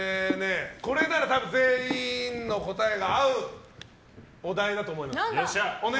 これなら全員の答えが合うお題だと思います。